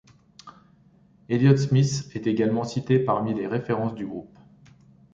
Elliott Smith est également cité parmi les références du groupe.